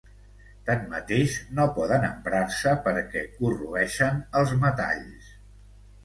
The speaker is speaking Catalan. Tanmateix no poden emprar-se perquè corroeixen els metalls.